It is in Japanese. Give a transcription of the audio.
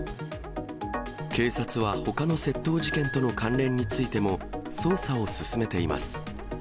警察はほかの窃盗事件との関連についても捜査を進めています。